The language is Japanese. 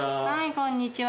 こんにちは。